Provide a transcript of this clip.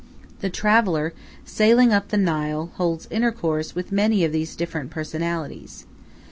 The traveller, sailing up the Nile, holds intercourse with many of these different personalities.